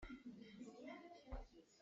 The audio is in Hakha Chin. Kan ral tlang ah khin an kal ka hmuh.